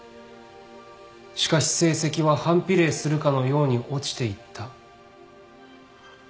しかし成績は反比例するかのように落ちていった。